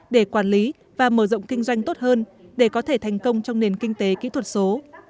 để quản lý và mở rộng kinh doanh tốt hơn để có thể thành công trong nền kinh tế kỹ thuật số